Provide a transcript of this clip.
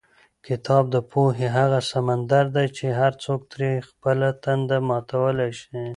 کتاب د پوهې هغه سمندر دی چې هر څوک ترې خپله تنده ماتولی شي.